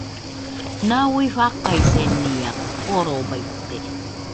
Nau fakaisenia korobaite